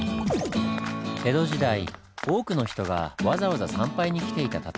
江戸時代多くの人がわざわざ参拝に来ていた建物。